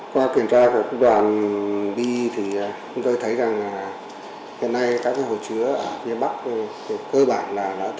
qua kiểm tra của cục đoàn bi thì chúng tôi thấy rằng hiện nay các hồ chứa ở phía bắc cơ bản là tích đột nước theo thiết kế